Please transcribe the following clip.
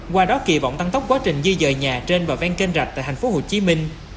qua đó kỳ vọng tăng tốc quá trình di dời nhà trên và ven kênh rạch tại thành phố hồ chí minh